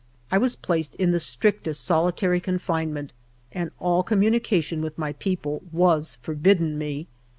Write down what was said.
I was placed in the strictest solitary confinement and all communication with my people was forbidden me.